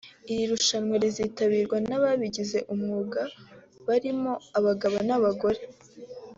Iri rushwana rizitabirwa n’ababigize umwuga barimo abagabo n’abagore